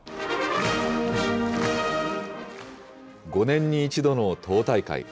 ５年に１度の党大会。